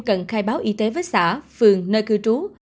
cần khai báo y tế với xã phường nơi cư trú